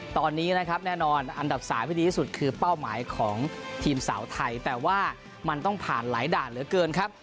ตอนนี้นะครับแน่นอนอันดับ๓ที่ดีที่สุดคือเป้าหมายของทีมสาวไทยแต่ว่ามันต้องผ่านหลายด่านเหลือเกินครับ